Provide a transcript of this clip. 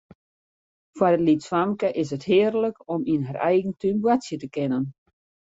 Foar it lytsfamke is it hearlik om yn har eigen tún boartsje te kinnen.